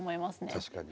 確かに。